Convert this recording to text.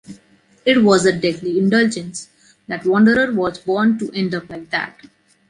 It was a deadly indulgence: that wanderer was bond to end up like that.